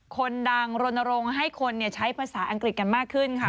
คนดังรณรงค์ให้คนใช้ภาษาอังกฤษกันมากขึ้นค่ะ